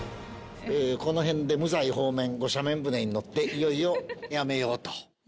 このへんで、無罪放免、御赦免船に乗って、いよいよやめようと。